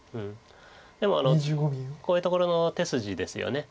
でもこういうところの手筋ですよね。